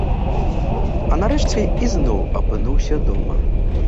А нарэшце ізноў апынуўся дома.